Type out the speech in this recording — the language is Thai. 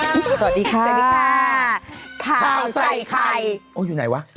สวัสดีค่ะสวัสดีค่ะข้าวใส่ไข่โอ้อยู่ไหนวะ